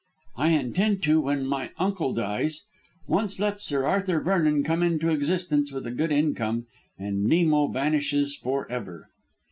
"I intend to when my uncle dies. Once let Sir Arthur Vernon come into existence with a good income and Nemo vanishes for ever."